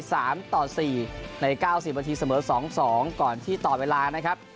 ใน๙๐นาทีเสมอ๒๒ก่อนที่ตอบเวลานะครับ